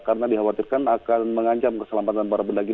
karena dikhawatirkan akan mengancam keselamatan para pendaki